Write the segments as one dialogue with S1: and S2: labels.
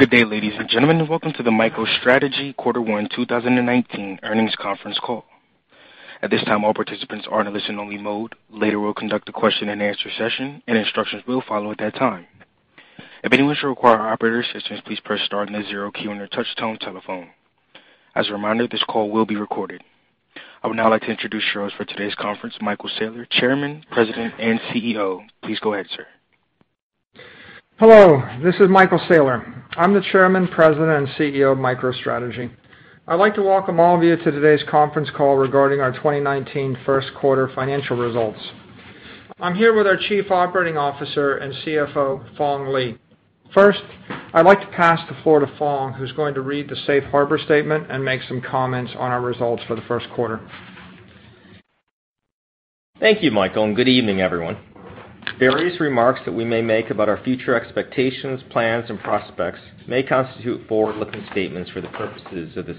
S1: Good day, ladies and gentlemen, and welcome to the MicroStrategy Quarter One 2019 earnings conference call. At this time, all participants are in a listen-only mode. Later, we'll conduct a question-and-answer session, and instructions will follow at that time. If anyone should require operator assistance, please press star, then 0 key on your touch-tone telephone. As a reminder, this call will be recorded. I would now like to introduce for today's conference, Michael Saylor, Chairman, President, and CEO. Please go ahead, sir.
S2: Hello, this is Michael Saylor. I'm the Chairman, President, and CEO of MicroStrategy. I'd like to welcome all of you to today's conference call regarding our 2019 first quarter financial results. I'm here with our Chief Operating Officer and CFO, Phong Le. First, I'd like to pass the floor to Phong, who's going to read the safe harbor statement and make some comments on our results for the first quarter.
S3: Thank you, Michael, and good evening, everyone. Various remarks that we may make about our future expectations, plans, and prospects may constitute forward-looking statements for the purposes of the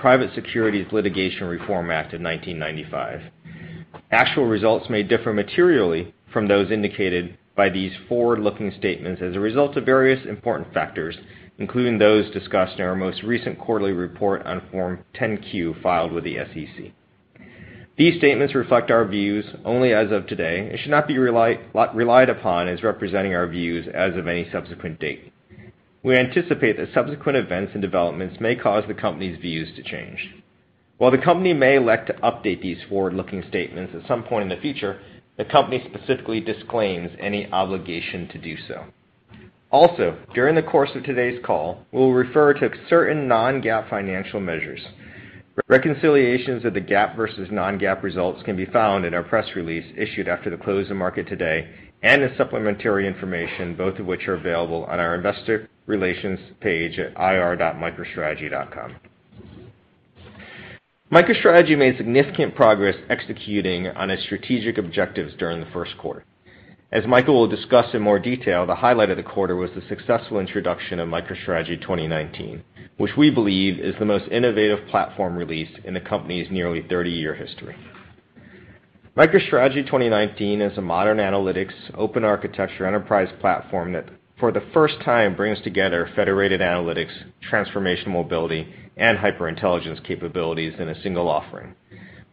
S3: Private Securities Litigation Reform Act of 1995. Actual results may differ materially from those indicated by these forward-looking statements as a result of various important factors, including those discussed in our most recent quarterly report on Form 10-Q filed with the SEC. These statements reflect our views only as of today and should not be relied upon as representing our views as of any subsequent date. We anticipate that subsequent events and developments may cause the company's views to change. While the company may elect to update these forward-looking statements at some point in the future, the company specifically disclaims any obligation to do so. Also, during the course of today's call, we'll refer to certain non-GAAP financial measures. Reconciliations of the GAAP versus non-GAAP results can be found in our press release issued after the close of market today and as supplementary information, both of which are available on our investor relations page at ir.microstrategy.com. MicroStrategy made significant progress executing on its strategic objectives during the first quarter. As Michael will discuss in more detail, the highlight of the quarter was the successful introduction of MicroStrategy 2019, which we believe is the most innovative platform released in the company's nearly 30-year history. MicroStrategy 2019 is a modern analytics open architecture enterprise platform that, for the first time, brings together federated analytics, transformational mobility, and HyperIntelligence capabilities in a single offering.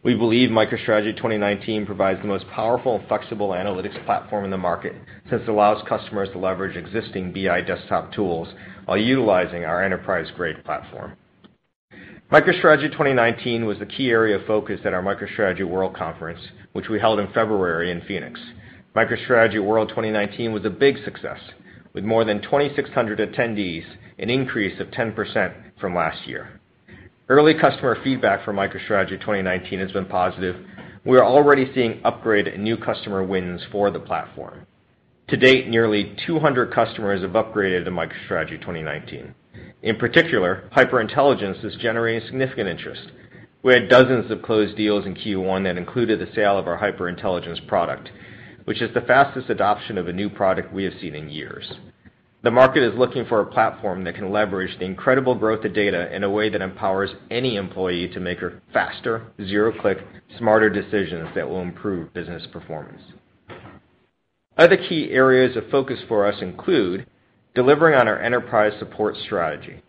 S3: We believe MicroStrategy 2019 provides the most powerful and flexible analytics platform in the market since it allows customers to leverage existing BI desktop tools while utilizing our enterprise-grade platform. MicroStrategy 2019 was the key area of focus at our MicroStrategy World Conference, which we held in February in Phoenix. MicroStrategy World 2019 was a big success with more than 2,600 attendees, an increase of 10% from last year. Early customer feedback for MicroStrategy 2019 has been positive. We are already seeing upgrade and new customer wins for the platform. To date, nearly 200 customers have upgraded to MicroStrategy 2019. In particular, HyperIntelligence is generating significant interest. We had dozens of closed deals in Q1 that included the sale of our HyperIntelligence product, which is the fastest adoption of a new product we have seen in years. The market is looking for a platform that can leverage the incredible growth of data in a way that empowers any employee to make faster, zero-click, smarter decisions that will improve business performance. Other key areas of focus for us include delivering on our enterprise support strategy.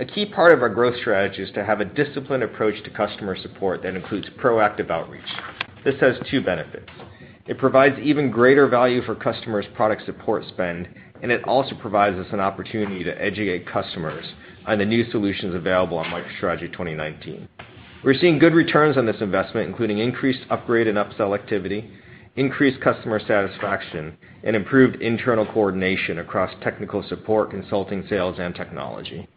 S3: A key part of our growth strategy is to have a disciplined approach to customer support that includes proactive outreach. This has two benefits. It provides even greater value for customers' product support spend, and it also provides us an opportunity to educate customers on the new solutions available on MicroStrategy 2019. We're seeing good returns on this investment, including increased upgrade and upsell activity, increased customer satisfaction, and improved internal coordination across technical support, consulting, sales, and technology.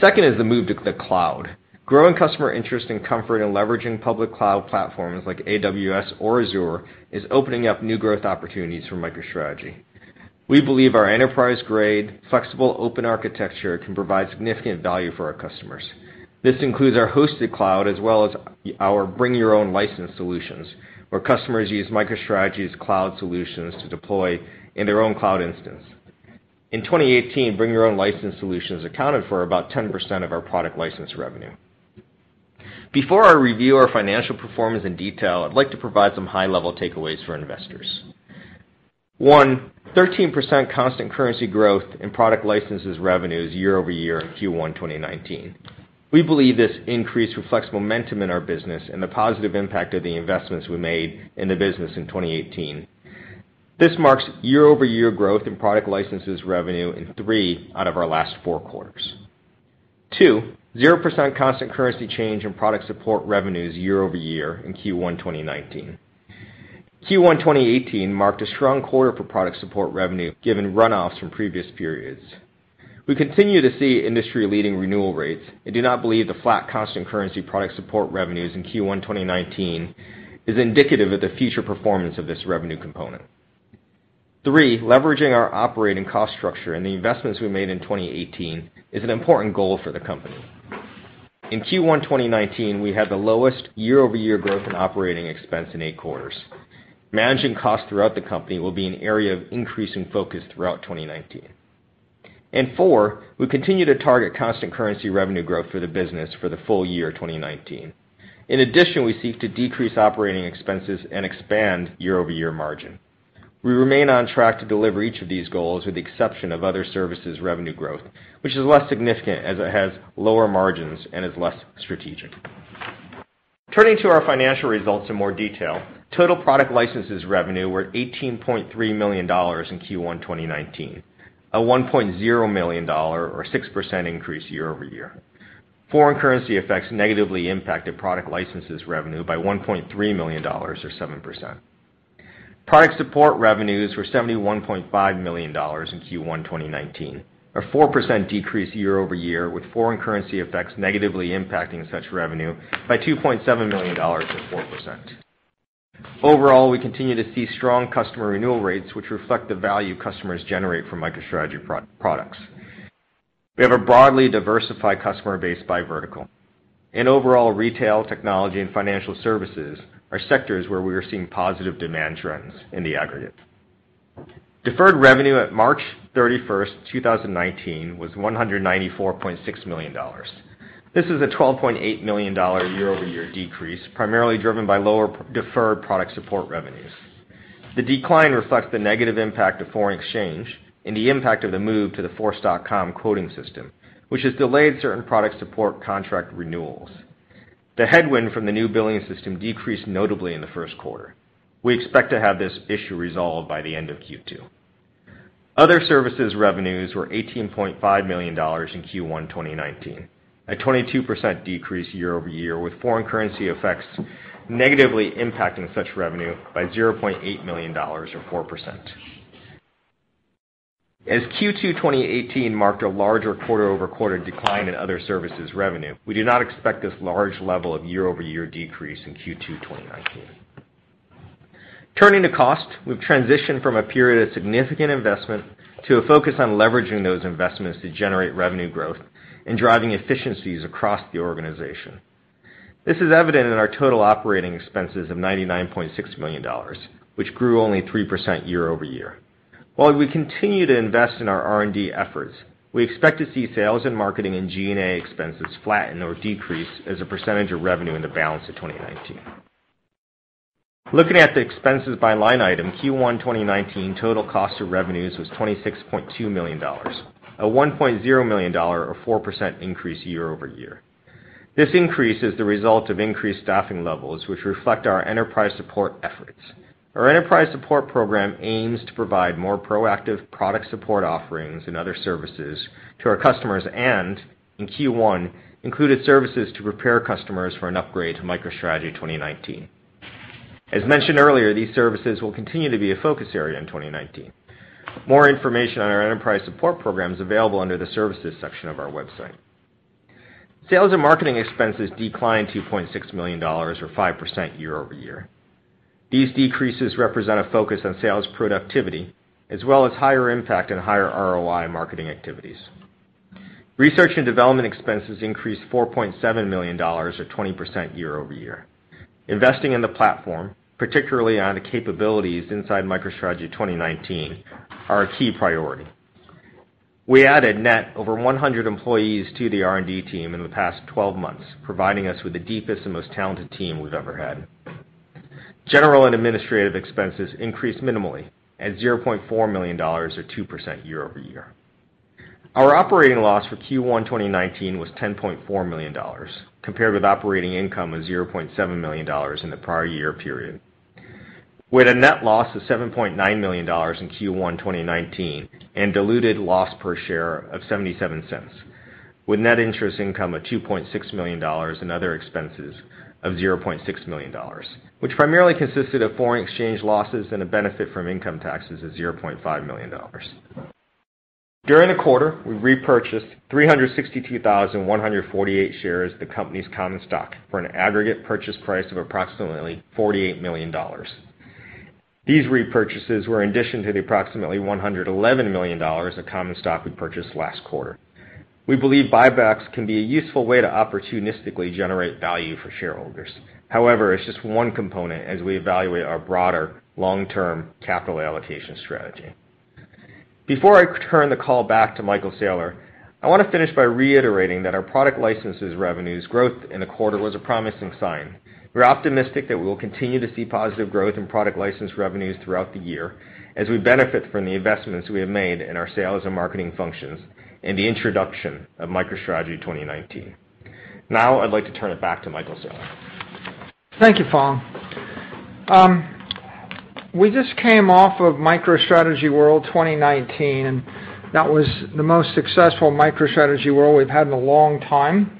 S3: Second is the move to the cloud. Growing customer interest and comfort in leveraging public cloud platforms like AWS or Azure is opening up new growth opportunities for MicroStrategy. We believe our enterprise-grade, flexible, open architecture can provide significant value for our customers. This includes our hosted cloud as well as our bring your own license solutions, where customers use MicroStrategy's cloud solutions to deploy in their own cloud instance. In 2018, bring your own license solutions accounted for about 10% of our product license revenue. Before I review our financial performance in detail, I'd like to provide some high-level takeaways for investors. One, 13% constant currency growth in product licenses revenues year-over-year in Q1 2019. We believe this increase reflects momentum in our business and the positive impact of the investments we made in the business in 2018. This marks year-over-year growth in product licenses revenue in three out of our last four quarters. Two, 0% constant currency change in product support revenues year-over-year in Q1 2019. Q1 2018 marked a strong quarter for product support revenue given runoffs from previous periods. We continue to see industry-leading renewal rates and do not believe the flat constant currency product support revenues in Q1 2019 is indicative of the future performance of this revenue component. Three, leveraging our operating cost structure and the investments we made in 2018 is an important goal for the company. In Q1 2019, we had the lowest year-over-year growth in operating expense in eight quarters. Managing costs throughout the company will be an area of increasing focus throughout 2019. Four, we continue to target constant currency revenue growth for the business for the full year 2019. In addition, we seek to decrease operating expenses and expand year-over-year margin. We remain on track to deliver each of these goals with the exception of other services revenue growth, which is less significant as it has lower margins and is less strategic. Turning to our financial results in more detail, total product licenses revenue were $18.3 million in Q1 2019, a $1.0 million or 6% increase year-over-year. Foreign currency effects negatively impacted product licenses revenue by $1.3 million, or 7%. Product support revenues were $71.5 million in Q1 2019, a 4% decrease year-over-year, with foreign currency effects negatively impacting such revenue by $2.7 million, or 4%. Overall, we continue to see strong customer renewal rates, which reflect the value customers generate from MicroStrategy products. We have a broadly diversified customer base by vertical. In overall retail, technology, and financial services are sectors where we are seeing positive demand trends in the aggregate. Deferred revenue at March 31, 2019, was $194.6 million. This is a $12.8 million year-over-year decrease, primarily driven by lower deferred product support revenues. The decline reflects the negative impact of foreign exchange and the impact of the move to the Force.com quoting system, which has delayed certain product support contract renewals. The headwind from the new billing system decreased notably in the first quarter. We expect to have this issue resolved by the end of Q2. Other services revenues were $18.5 million in Q1 2019, a 22% decrease year-over-year, with foreign currency effects negatively impacting such revenue by $0.8 million, or 4%. As Q2 2018 marked a larger quarter-over-quarter decline in other services revenue, we do not expect this large level of year-over-year decrease in Q2 2019. Turning to cost, we've transitioned from a period of significant investment to a focus on leveraging those investments to generate revenue growth and driving efficiencies across the organization. This is evident in our total operating expenses of $99.6 million, which grew only 3% year-over-year. While we continue to invest in our R&D efforts, we expect to see sales and marketing and G&A expenses flatten or decrease as a percentage of revenue in the balance of 2019. Looking at the expenses by line item, Q1 2019 total cost of revenues was $26.2 million, a $1.0 million or 4% increase year-over-year. This increase is the result of increased staffing levels, which reflect our enterprise support efforts. Our enterprise support program aims to provide more proactive product support offerings and other services to our customers and, in Q1, included services to prepare customers for an upgrade to MicroStrategy 2019. As mentioned earlier, these services will continue to be a focus area in 2019. More information on our enterprise support program is available under the Services section of our website. Sales and marketing expenses declined $2.6 million or 5% year-over-year. These decreases represent a focus on sales productivity as well as higher impact and higher ROI marketing activities. Research and development expenses increased $4.7 million or 20% year-over-year. Investing in the platform, particularly on the capabilities inside MicroStrategy 2019, are a key priority. We added net over 100 employees to the R&D team in the past 12 months, providing us with the deepest and most talented team we've ever had. General and administrative expenses increased minimally at $0.4 million or 2% year-over-year. Our operating loss for Q1 2019 was $10.4 million, compared with operating income of $0.7 million in the prior year period. We had a net loss of $7.9 million in Q1 2019 and diluted loss per share of $0.77, with net interest income of $2.6 million and other expenses of $0.6 million, which primarily consisted of foreign exchange losses and a benefit from income taxes of $0.5 million. During the quarter, we repurchased 362,148 shares of the company's common stock for an aggregate purchase price of approximately $48 million. These repurchases were in addition to the approximately $111 million of common stock we purchased last quarter. We believe buybacks can be a useful way to opportunistically generate value for shareholders. It's just one component as we evaluate our broader long-term capital allocation strategy. Before I turn the call back to Michael Saylor, I want to finish by reiterating that our product licenses revenues growth in the quarter was a promising sign. We're optimistic that we will continue to see positive growth in product license revenues throughout the year as we benefit from the investments we have made in our sales and marketing functions and the introduction of MicroStrategy 2019. I'd like to turn it back to Michael Saylor.
S2: Thank you, Phong. We just came off of MicroStrategy World 2019. That was the most successful MicroStrategy World we've had in a long time.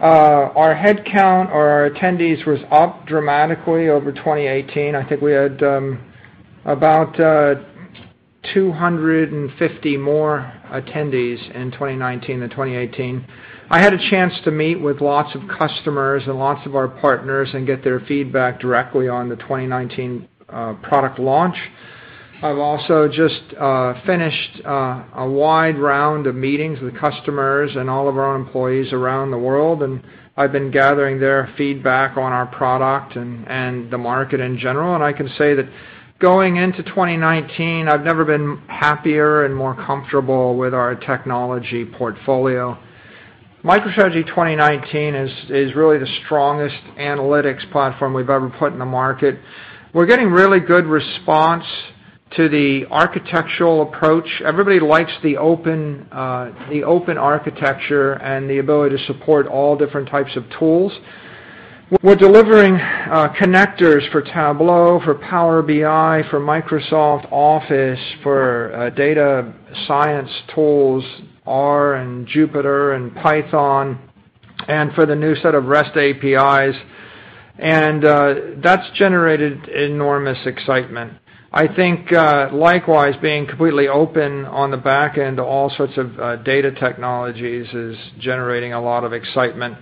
S2: Our head count or our attendees was up dramatically over 2018. I think we had about 250 more attendees in 2019 than 2018. I had a chance to meet with lots of customers and lots of our partners and get their feedback directly on the 2019 product launch. I've also just finished a wide round of meetings with customers and all of our employees around the world. I've been gathering their feedback on our product and the market in general. I can say that going into 2019, I've never been happier and more comfortable with our technology portfolio. MicroStrategy 2019 is really the strongest analytics platform we've ever put in the market. We're getting really good response to the architectural approach. Everybody likes the open architecture and the ability to support all different types of tools. We're delivering connectors for Tableau, for Power BI, for Microsoft Office, for data science tools, R, and Jupyter, and Python, and for the new set of REST APIs. That's generated enormous excitement. I think likewise, being completely open on the back end to all sorts of data technologies is generating a lot of excitement.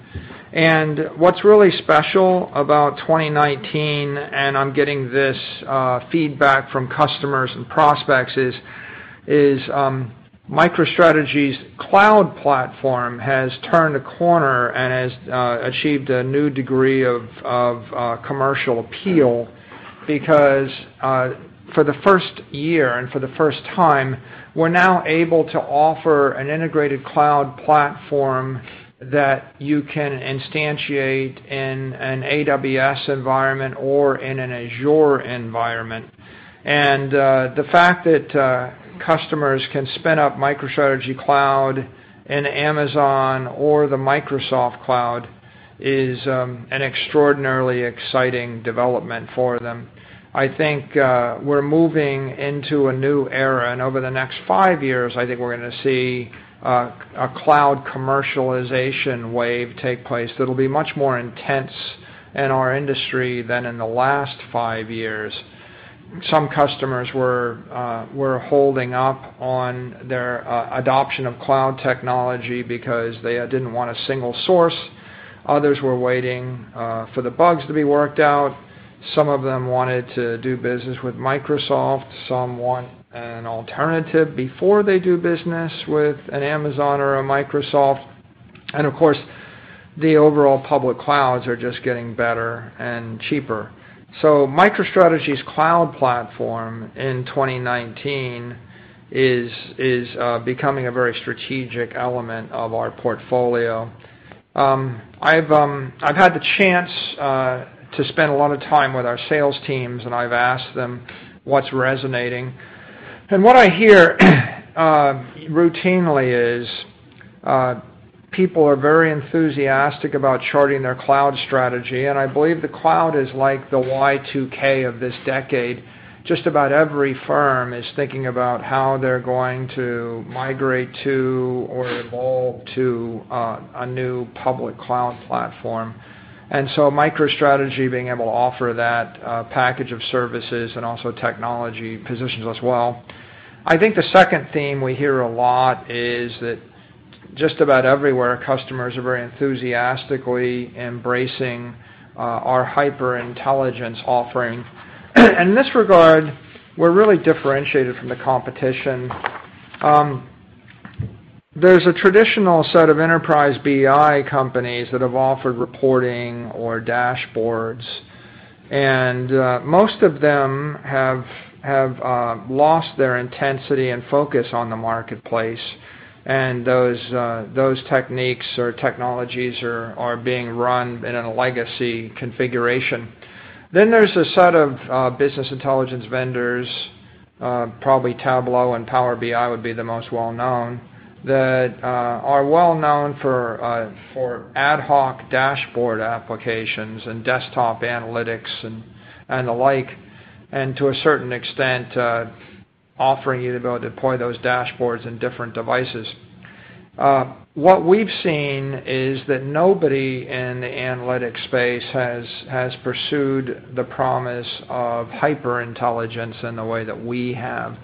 S2: What's really special about 2019, and I'm getting this feedback from customers and prospects, is MicroStrategy's cloud platform has turned a corner and has achieved a new degree of commercial appeal because for the first year and for the first time, we're now able to offer an integrated cloud platform that you can instantiate in an AWS environment or in an Azure environment. The fact that customers can spin up MicroStrategy Cloud in Amazon or the Microsoft Cloud is an extraordinarily exciting development for them. I think we're moving into a new era, and over the next 5 years, I think we're going to see a cloud commercialization wave take place that'll be much more intense in our industry than in the last 5 years. Some customers were holding up on their adoption of cloud technology because they didn't want a single source. Others were waiting for the bugs to be worked out. Some of them wanted to do business with Microsoft. Some want an alternative before they do business with an Amazon or a Microsoft. Of course, the overall public clouds are just getting better and cheaper. MicroStrategy's cloud platform in 2019 is becoming a very strategic element of our portfolio. I've had the chance to spend a lot of time with our sales teams, I've asked them what's resonating. What I hear routinely is people are very enthusiastic about charting their cloud strategy, and I believe the cloud is like the Y2K of this decade. Just about every firm is thinking about how they're going to migrate to or evolve to a new public cloud platform. MicroStrategy being able to offer that package of services and also technology positions us well. I think the second theme we hear a lot is that just about everywhere, customers are very enthusiastically embracing our HyperIntelligence offering. In this regard, we're really differentiated from the competition. There's a traditional set of enterprise BI companies that have offered reporting or dashboards, most of them have lost their intensity and focus on the marketplace, and those techniques or technologies are being run in a legacy configuration. There's a set of business intelligence vendors, probably Tableau and Power BI would be the most well known, that are well known for ad hoc dashboard applications and desktop analytics and the like, and to a certain extent offering you the ability to deploy those dashboards in different devices. What we've seen is that nobody in the analytics space has pursued the promise of HyperIntelligence in the way that we have.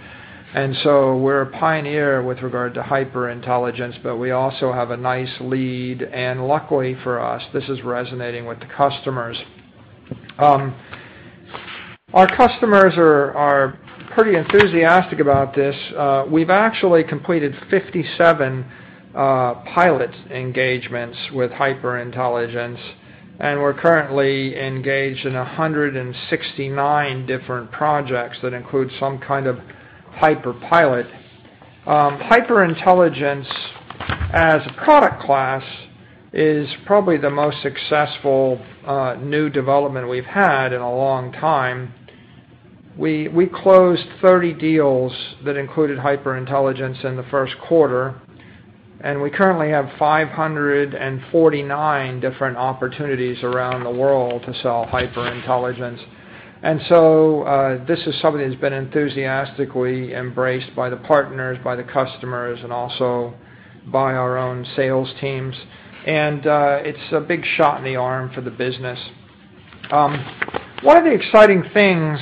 S2: We're a pioneer with regard to HyperIntelligence, but we also have a nice lead, and luckily for us, this is resonating with the customers. Our customers are pretty enthusiastic about this. We've actually completed 57 pilot engagements with HyperIntelligence, we're currently engaged in 169 different projects that include some kind of hyper pilot. HyperIntelligence as a product class is probably the most successful new development we've had in a long time. We closed 30 deals that included HyperIntelligence in the first quarter, we currently have 549 different opportunities around the world to sell HyperIntelligence. This is something that's been enthusiastically embraced by the partners, by the customers, and also by our own sales teams. It's a big shot in the arm for the business. One of the exciting things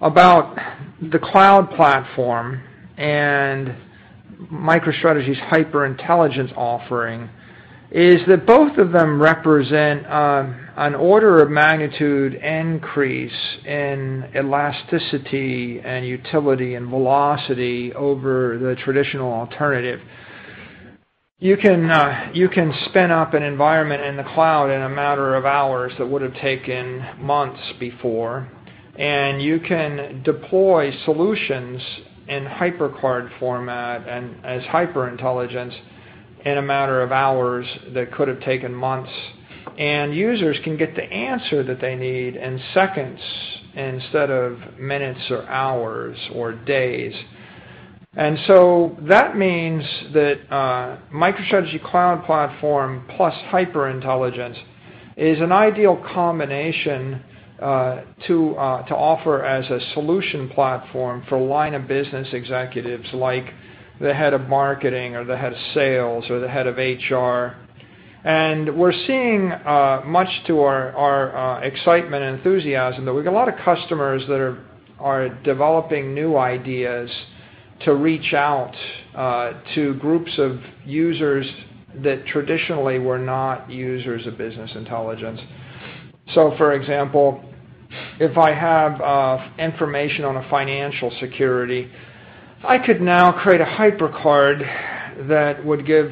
S2: about the cloud platform and MicroStrategy's HyperIntelligence offering is that both of them represent an order of magnitude increase in elasticity and utility and velocity over the traditional alternative. You can spin up an environment in the cloud in a matter of hours that would have taken months before. You can deploy solutions in HyperCard format and as HyperIntelligence in a matter of hours that could have taken months. Users can get the answer that they need in seconds instead of minutes or hours or days. That means that MicroStrategy Cloud platform plus HyperIntelligence is an ideal combination to offer as a solution platform for line-of-business executives like the head of marketing, or the head of sales, or the head of HR. We're seeing, much to our excitement and enthusiasm, that we've got a lot of customers that are developing new ideas to reach out to groups of users that traditionally were not users of business intelligence. For example, if I have information on a financial security, I could now create a HyperCard that would give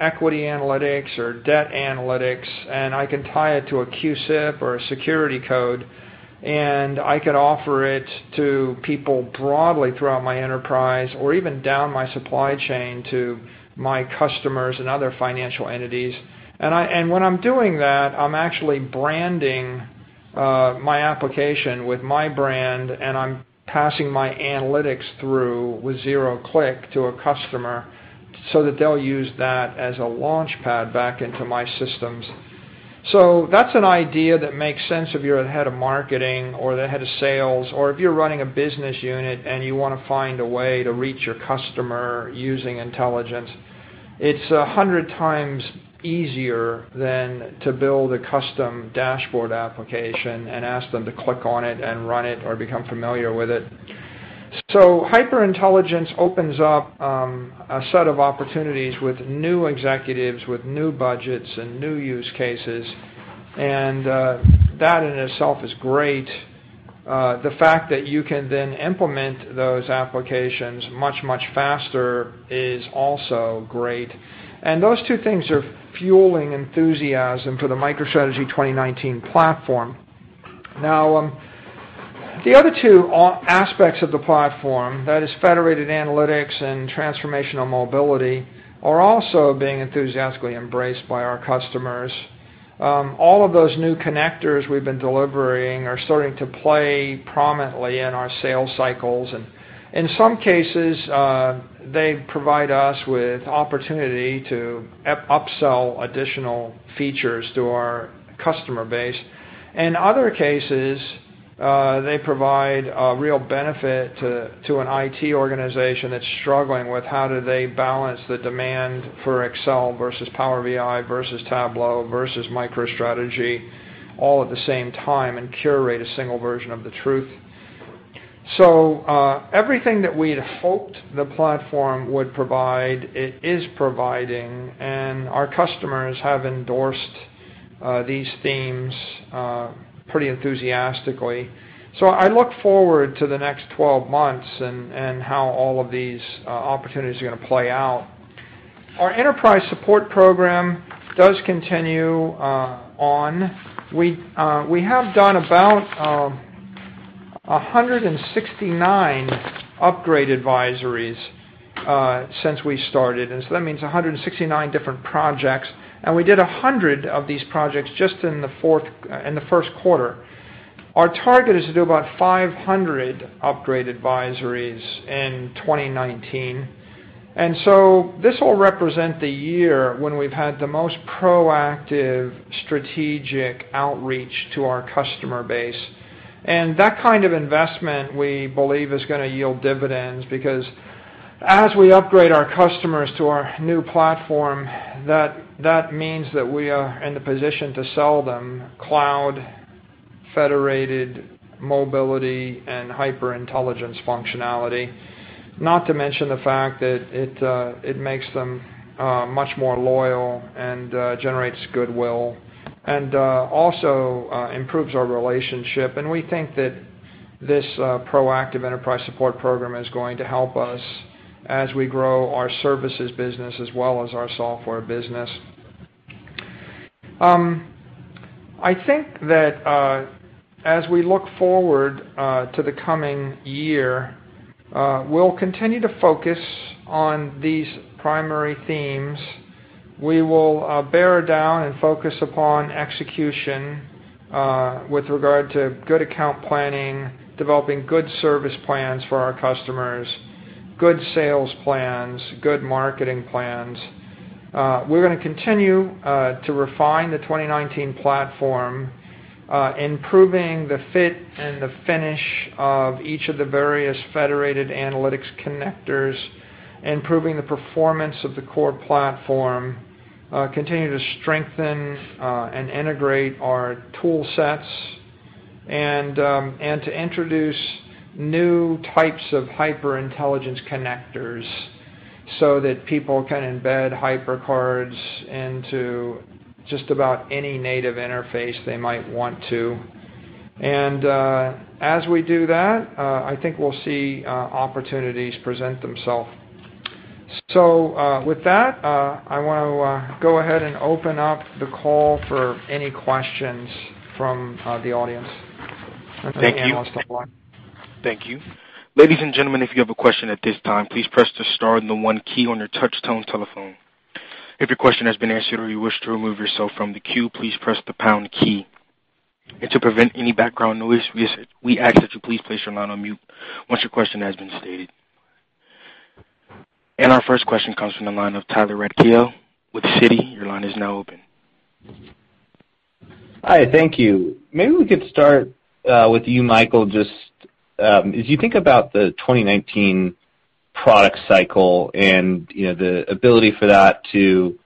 S2: equity analytics or debt analytics. I can tie it to a CUSIP or a security code. I could offer it to people broadly throughout my enterprise, or even down my supply chain to my customers and other financial entities. When I'm doing that, I'm actually branding my application with my brand. I'm passing my analytics through with zero click to a customer so that they'll use that as a launchpad back into my systems. That's an idea that makes sense if you're a head of marketing or the head of sales, or if you're running a business unit and you want to find a way to reach your customer using intelligence. It's 100 times easier than to build a custom dashboard application and ask them to click on it and run it or become familiar with it. HyperIntelligence opens up a set of opportunities with new executives, with new budgets, and new use cases. That in itself is great. The fact that you can then implement those applications much, much faster is also great. Those two things are fueling enthusiasm for the MicroStrategy 2019 platform. The other two aspects of the platform, that is federated analytics and transformational mobility, are also being enthusiastically embraced by our customers. All of those new connectors we've been delivering are starting to play prominently in our sales cycles. In some cases, they provide us with opportunity to upsell additional features to our customer base. In other cases, they provide a real benefit to an IT organization that's struggling with how do they balance the demand for Excel versus Power BI versus Tableau versus MicroStrategy all at the same time. Curate a single version of the truth. Everything that we had hoped the platform would provide, it is providing, and our customers have endorsed these themes pretty enthusiastically. I look forward to the next 12 months and how all of these opportunities are going to play out. Our enterprise support program does continue on. We have done about 169 upgrade advisories since we started. That means 169 different projects. We did 100 of these projects just in the first quarter. Our target is to do about 500 upgrade advisories in 2019. This will represent the year when we've had the most proactive strategic outreach to our customer base. That kind of investment, we believe, is going to yield dividends because as we upgrade our customers to our new platform, that means that we are in the position to sell them cloud-federated mobility and HyperIntelligence functionality. Not to mention the fact that it makes them much more loyal and generates goodwill and also improves our relationship. We think that this proactive enterprise support program is going to help us as we grow our services business as well as our software business. I think that as we look forward to the coming year, we'll continue to focus on these primary themes. We will bear down and focus upon execution with regard to good account planning, developing good service plans for our customers, good sales plans, good marketing plans. We're going to continue to refine the 2019 platform, improving the fit and the finish of each of the various federated analytics connectors, improving the performance of the core platform, continue to strengthen and integrate our tool sets, and to introduce new types of HyperIntelligence connectors so that people can embed HyperCards into just about any native interface they might want to. As we do that, I think we'll see opportunities present themselves. With that, I want to go ahead and open up the call for any questions from the audience.
S1: Thank you.
S2: Anthony, you want to start the line?
S1: Thank you. Ladies and gentlemen, if you have a question at this time, please press the star and the one key on your touchtone telephone. If your question has been answered or you wish to remove yourself from the queue, please press the pound key. To prevent any background noise, we ask that you please place your line on mute once your question has been stated. Our first question comes from the line of Tyler Radke with Citi. Your line is now open.
S4: Hi, thank you. We could start with you, Michael. As you think about the 2019 product cycle and the ability for that to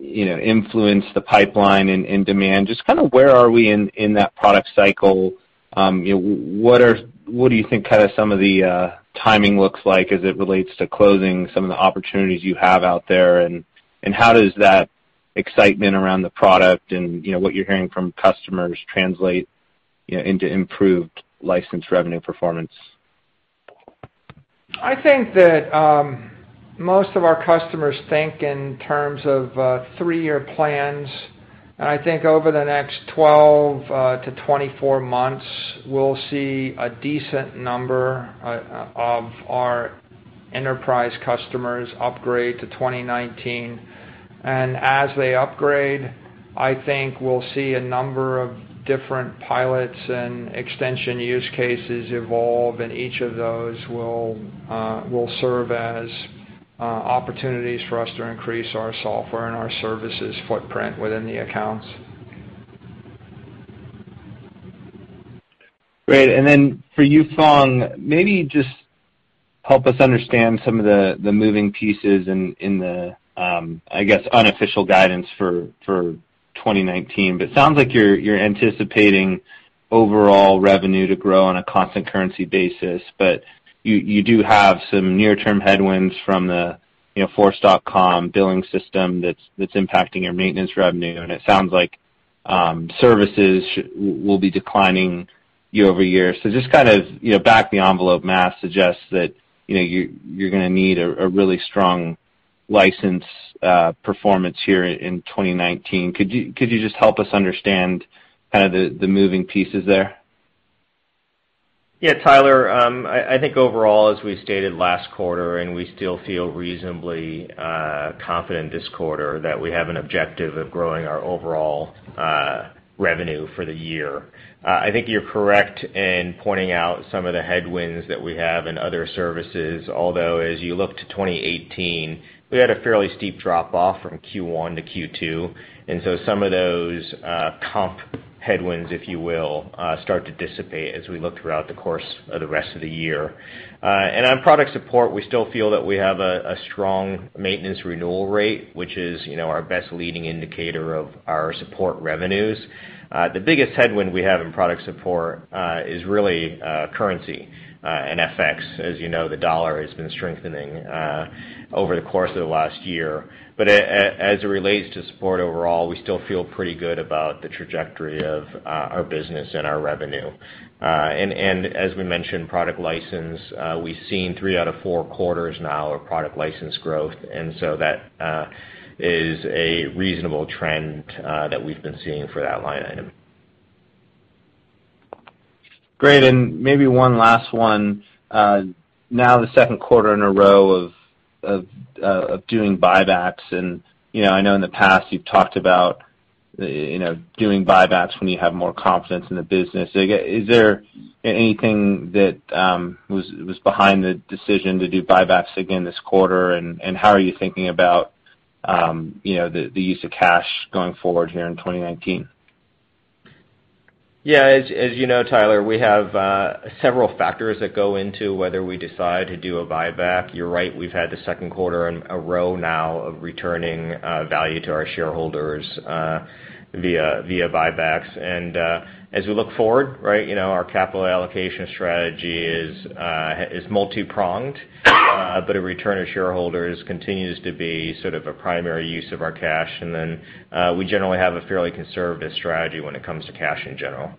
S4: influence the pipeline and demand, just where are we in that product cycle? What do you think some of the timing looks like as it relates to closing some of the opportunities you have out there, and how does that excitement around the product and what you're hearing from customers translate into improved license revenue performance?
S2: I think that most of our customers think in terms of three-year plans. I think over the next 12-24 months, we'll see a decent number of our enterprise customers upgrade to 2019. As they upgrade, I think we'll see a number of different pilots and extension use cases evolve, and each of those will serve as opportunities for us to increase our software and our services footprint within the accounts.
S4: Great. For you, Phong, just help us understand some of the moving pieces in the, I guess, unofficial guidance for 2019. It sounds like you're anticipating overall revenue to grow on a constant currency basis. You do have some near-term headwinds from the Force.com billing system that's impacting your maintenance revenue. It sounds like services will be declining year-over-year. Just kind of back the envelope math suggests that you're going to need a really strong license performance here in 2019. Could you just help us understand the moving pieces there?
S3: Tyler, I think overall, as we stated last quarter. We still feel reasonably confident this quarter that we have an objective of growing our overall revenue for the year. I think you're correct in pointing out some of the headwinds that we have in other services, although, as you look to 2018, we had a fairly steep drop-off from Q1 to Q2. Some of those comp headwinds, if you will, start to dissipate as we look throughout the course of the rest of the year. On product support, we still feel that we have a strong maintenance renewal rate, which is our best leading indicator of our support revenues. The biggest headwind we have in product support is really currency and FX. As you know, the dollar has been strengthening over the course of the last year. As it relates to support overall, we still feel pretty good about the trajectory of our business and our revenue. As we mentioned, product license, we've seen three out of four quarters now of product license growth. That is a reasonable trend that we've been seeing for that line item.
S4: Great. Maybe one last one. Now the second quarter in a row of doing buybacks. I know in the past you've talked about doing buybacks when you have more confidence in the business. Is there anything that was behind the decision to do buybacks again this quarter? How are you thinking about the use of cash going forward here in 2019?
S3: As you know, Tyler, we have several factors that go into whether we decide to do a buyback. You're right, we've had the second quarter in a row now of returning value to our shareholders via buybacks. As we look forward, our capital allocation strategy is multi-pronged. A return to shareholders continues to be sort of a primary use of our cash. We generally have a fairly conservative strategy when it comes to cash in general.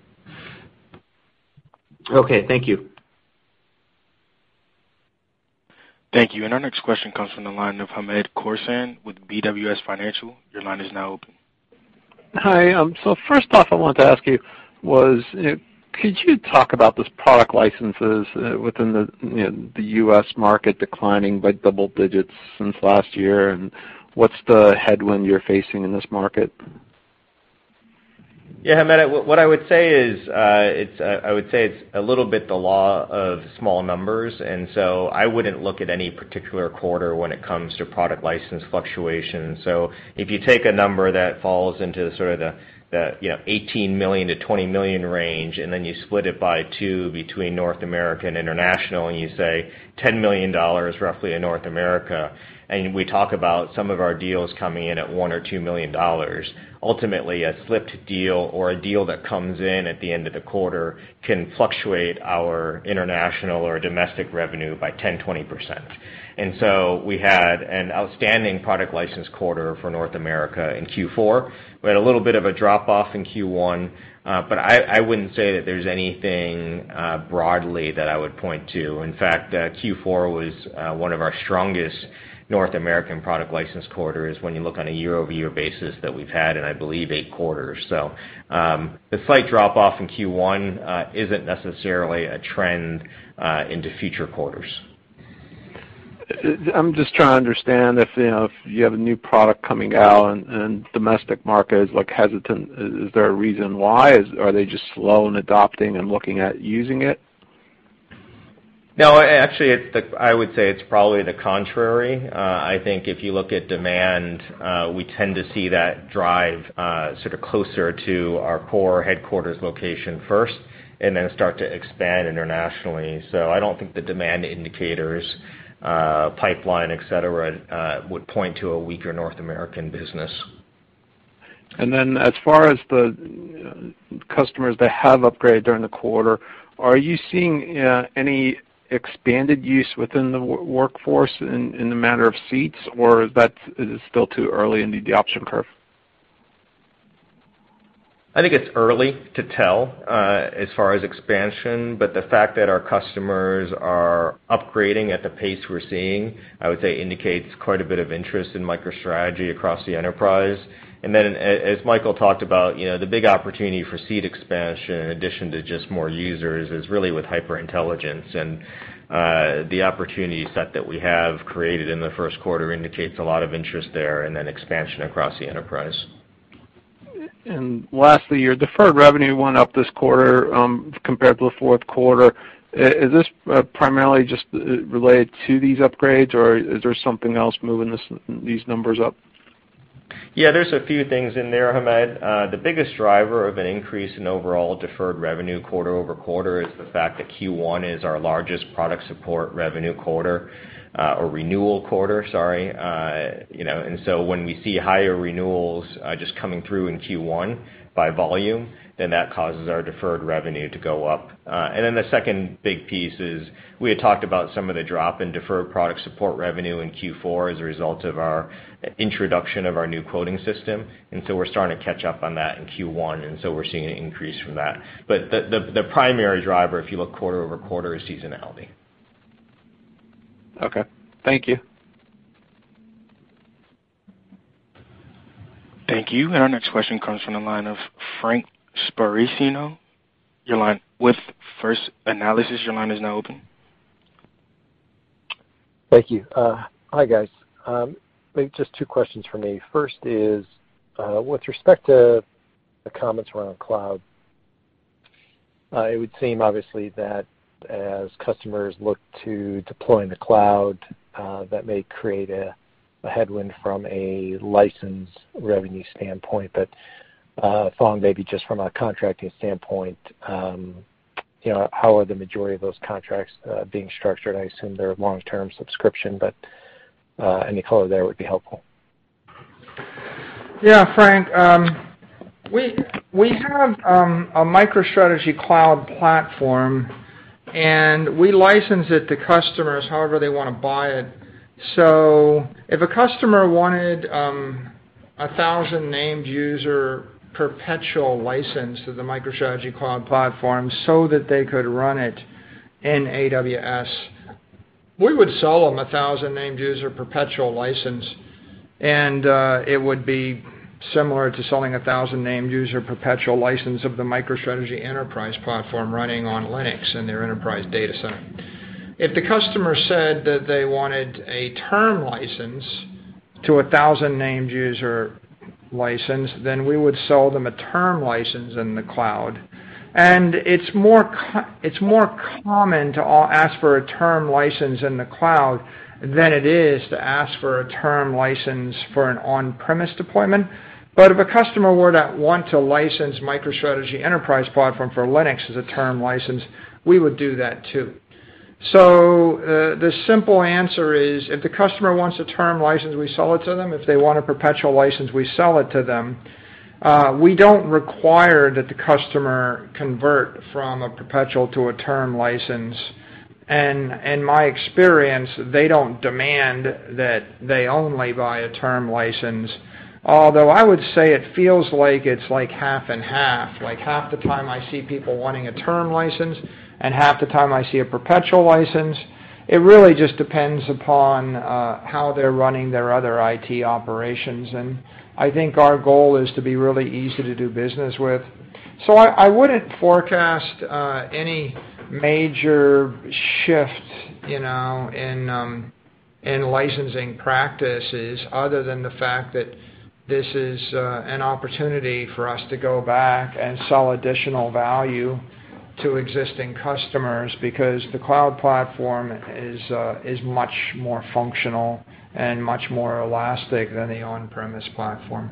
S4: Okay. Thank you.
S1: Thank you. Our next question comes from the line of Hamed Khorsand with BWS Financial. Your line is now open.
S5: Hi. First off, I wanted to ask you was, could you talk about this product licenses within the U.S. market declining by double digits since last year, and what's the headwind you're facing in this market?
S3: Yeah, Hamed, what I would say is, I would say it's a little bit the law of small numbers, I wouldn't look at any particular quarter when it comes to product license fluctuation. If you take a number that falls into sort of the $18 million-$20 million range, you split it by two between North America and international, and you say $10 million roughly in North America. We talk about some of our deals coming in at $1 million or $2 million. Ultimately, a slipped deal or a deal that comes in at the end of the quarter can fluctuate our international or domestic revenue by 10%-20%. We had an outstanding product license quarter for North America in Q4. We had a little bit of a drop-off in Q1. I wouldn't say that there's anything broadly that I would point to. In fact, Q4 was one of our strongest North American product license quarters when you look on a year-over-year basis that we've had in, I believe, eight quarters. The slight drop-off in Q1 isn't necessarily a trend into future quarters.
S5: I'm just trying to understand if you have a new product coming out and domestic market is hesitant, is there a reason why? Are they just slow in adopting and looking at using it?
S3: Actually, I would say it's probably the contrary. I think if you look at demand, we tend to see that drive sort of closer to our core headquarters location first and then start to expand internationally. I don't think the demand indicators, pipeline, et cetera, would point to a weaker North American business.
S5: As far as the customers that have upgraded during the quarter, are you seeing any expanded use within the workforce in the matter of seats, or is it still too early in the adoption curve?
S3: I think it's early to tell as far as expansion, the fact that our customers are upgrading at the pace we're seeing, I would say, indicates quite a bit of interest in MicroStrategy across the enterprise. As Michael talked about, the big opportunity for seat expansion, in addition to just more users, is really with HyperIntelligence. The opportunity set that we have created in the first quarter indicates a lot of interest there and then expansion across the enterprise.
S5: Lastly, your deferred revenue went up this quarter compared to the fourth quarter. Is this primarily just related to these upgrades, or is there something else moving these numbers up?
S3: Yeah, there's a few things in there, Hamed. The biggest driver of an increase in overall deferred revenue quarter-over-quarter is the fact that Q1 is our largest product support revenue quarter or renewal quarter, sorry. When we see higher renewals just coming through in Q1 by volume, that causes our deferred revenue to go up. The second big piece is we had talked about some of the drop in deferred product support revenue in Q4 as a result of our introduction of our new quoting system. We're starting to catch up on that in Q1, and so we're seeing an increase from that. The primary driver, if you look quarter-over-quarter, is seasonality.
S5: Okay. Thank you.
S1: Thank you. Our next question comes from the line of Frank Sparacino with First Analysis. Your line is now open.
S6: Thank you. Hi, guys. Just two questions from me. First is, with respect to the comments around cloud, it would seem obviously that as customers look to deploying the cloud, that may create a headwind from a license revenue standpoint. Phong, maybe just from a contracting standpoint, how are the majority of those contracts being structured? I assume they're long-term subscription, any color there would be helpful.
S2: Frank, we have a MicroStrategy Cloud platform, we license it to customers however they want to buy it. If a customer wanted 1,000 named user perpetual license to the MicroStrategy Cloud platform so that they could run it in AWS, we would sell them 1,000 named user perpetual license, it would be similar to selling 1,000 named user perpetual license of the MicroStrategy enterprise platform running on Linux in their enterprise data center. If the customer said that they wanted a term license to 1,000 named user license, we would sell them a term license in the cloud. It's more common to ask for a term license in the cloud than it is to ask for a term license for an on-premise deployment. If a customer were to want to license MicroStrategy enterprise platform for Linux as a term license, we would do that, too. The simple answer is, if the customer wants a term license, we sell it to them. If they want a perpetual license, we sell it to them. We don't require that the customer convert from a perpetual to a term license. In my experience, they don't demand that they only buy a term license, although I would say it feels like it's half and half. Half the time I see people wanting a term license, half the time I see a perpetual license. It really just depends upon how they're running their other IT operations, I think our goal is to be really easy to do business with. I wouldn't forecast any major shift in licensing practices other than the fact that this is an opportunity for us to go back and sell additional value to existing customers, because the cloud platform is much more functional and much more elastic than the on-premise platform.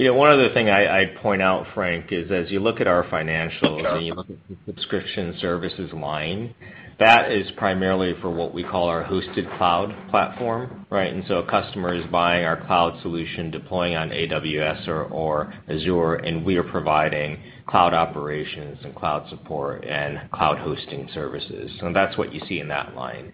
S3: One other thing I'd point out, Frank, is as you look at our financials and you look at the subscription services line, that is primarily for what we call our hosted cloud platform, right? A customer is buying our cloud solution deploying on AWS or Azure, and we are providing cloud operations and cloud support and cloud hosting services. That's what you see in that line.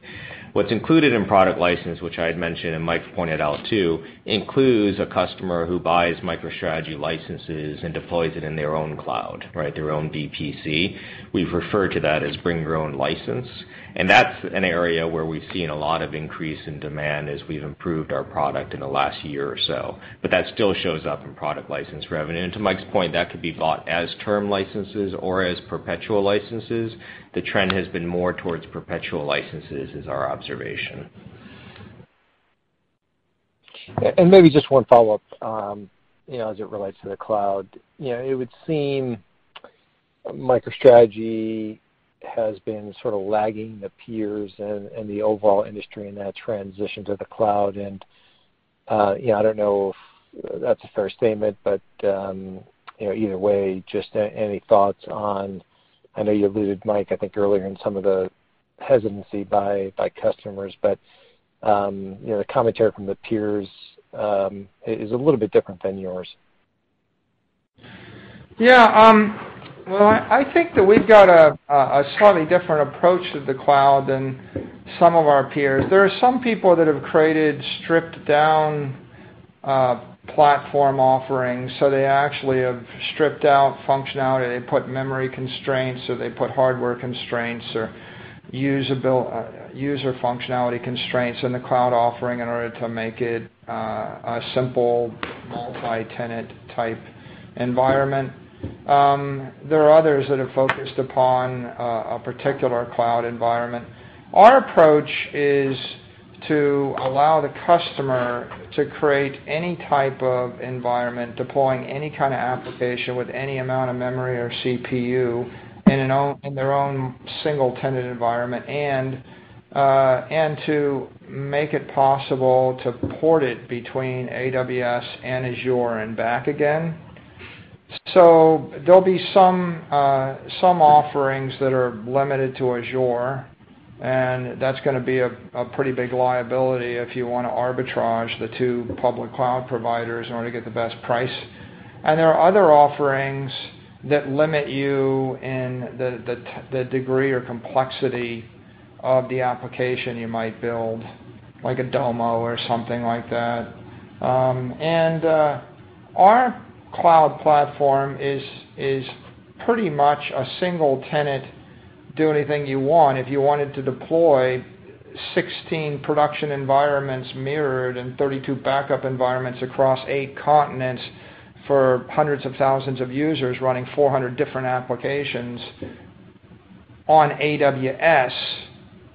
S3: What's included in product license, which I had mentioned and Mike pointed out, too, includes a customer who buys MicroStrategy licenses and deploys it in their own cloud, their own VPC. We've referred to that as bring your own license, and that's an area where we've seen a lot of increase in demand as we've improved our product in the last year or so. That still shows up in product license revenue. To Mike's point, that could be bought as term licenses or as perpetual licenses. The trend has been more towards perpetual licenses, is our observation.
S6: Maybe just one follow-up, as it relates to the cloud. It would seem MicroStrategy has been sort of lagging the peers and the overall industry in that transition to the cloud. I don't know if that's a fair statement, but either way, just any thoughts on, I know you allud`ed, Mike, I think earlier in some of the hesitancy by customers, but the commentary from the peers is a little bit different than yours.
S2: Yeah. Well, I think that we've got a slightly different approach to the cloud than some of our peers. There are some people that have created stripped down platform offerings. They actually have stripped out functionality. They put memory constraints, or they put hardware constraints or user functionality constraints in the cloud offering in order to make it a simple multi-tenant type environment. There are others that have focused upon a particular cloud environment. Our approach is to allow the customer to create any type of environment, deploying any kind of application with any amount of memory or CPU in their own single-tenant environment, and to make it possible to port it between AWS and Azure and back again. There'll be some offerings that are limited to Azure, and that's going to be a pretty big liability if you want to arbitrage the two public cloud providers in order to get the best price. There are other offerings that limit you in the degree or complexity of the application you might build, like a Domo or something like that. Our cloud platform is pretty much a single tenant, do anything you want. If you wanted to deploy 16 production environments mirrored and 32 backup environments across eight continents for hundreds of thousands of users running 400 different applications on AWS,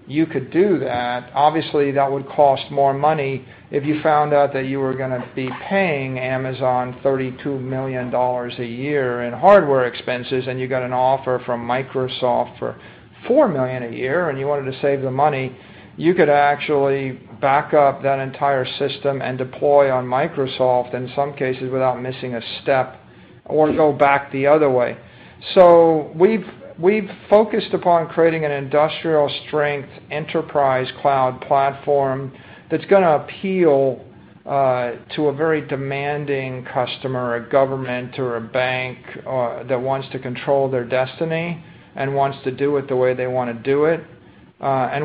S2: you could do that. Obviously, that would cost more money if you found out that you were going to be paying Amazon $32 million a year in hardware expenses, and you got an offer from Microsoft for $4 million a year and you wanted to save the money, you could actually back up that entire system and deploy on Microsoft in some cases without missing a step or go back the other way. We've focused upon creating an industrial-strength enterprise cloud platform that's going to appeal to a very demanding customer, a government, or a bank that wants to control their destiny and wants to do it the way they want to do it.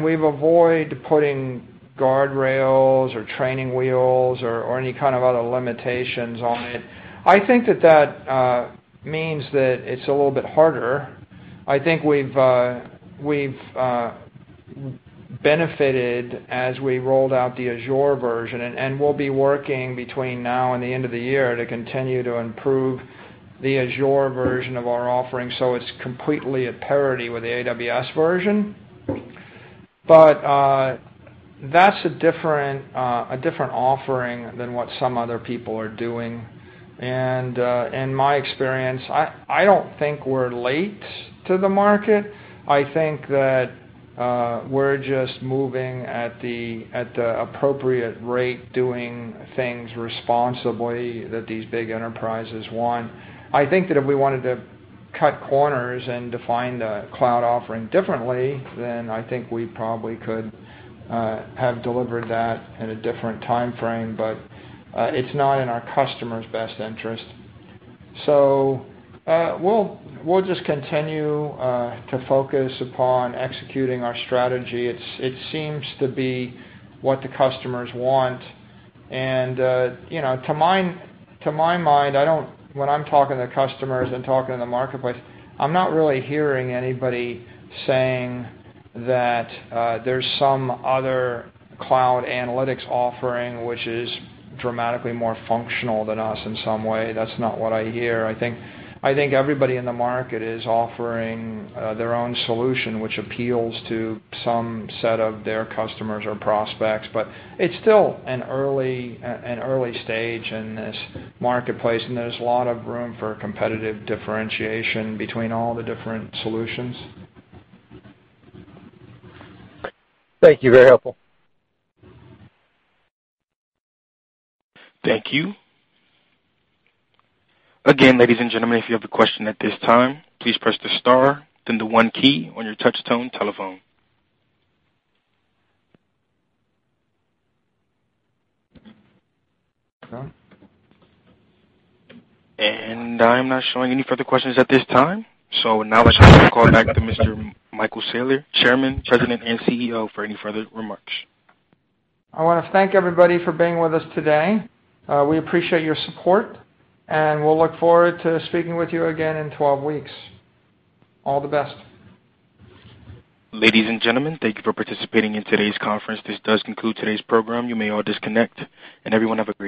S2: We've avoided putting guardrails or training wheels or any kind of other limitations on it. I think that that means that it's a little bit harder. I think we've benefited as we rolled out the Azure version, and we'll be working between now and the end of the year to continue to improve the Azure version of our offering, so it's completely at parity with the AWS version. That's a different offering than what some other people are doing. In my experience, I don't think we're late to the market. I think that we're just moving at the appropriate rate, doing things responsibly that these big enterprises want. I think that if we wanted to cut corners and define the cloud offering differently, then I think we probably could have delivered that in a different timeframe. It's not in our customers' best interest. We'll just continue to focus upon executing our strategy. It seems to be what the customers want. To my mind, when I'm talking to customers and talking to the marketplace, I'm not really hearing anybody saying that there's some other cloud analytics offering which is dramatically more functional than us in some way. That's not what I hear. I think everybody in the market is offering their own solution, which appeals to some set of their customers or prospects. It's still an early stage in this marketplace, and there's a lot of room for competitive differentiation between all the different solutions.
S6: Thank you. Very helpful.
S1: Thank you. Again, ladies and gentlemen, if you have a question at this time, please press the star then the one key on your touch tone telephone. I'm not showing any further questions at this time. Now let's turn the call back to Mr. Michael Saylor, Chairman, President, and CEO, for any further remarks.
S2: I want to thank everybody for being with us today. We appreciate your support, and we'll look forward to speaking with you again in 12 weeks. All the best.
S1: Ladies and gentlemen, thank you for participating in today's conference. This does conclude today's program. You may all disconnect. Everyone have a great day.